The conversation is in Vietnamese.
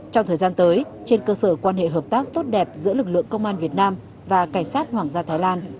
trong thời gian tới trên cơ sở quan hệ hợp tác tốt đẹp giữa lực lượng công an việt nam và cảnh sát hoàng gia thái lan